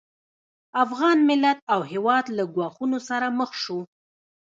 افغان ملت او هېواد له ګواښونو سره مخ شو